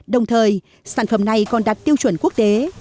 đồng thời sản phẩm này còn đạt tiêu chuẩn quốc tế